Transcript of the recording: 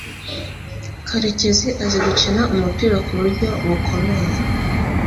Karekezi azi gukina umupira kuburyo bukomeye